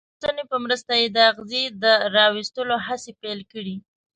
او د ستنې په مرسته یې د اغزي د را ویستلو هڅې پیل کړې.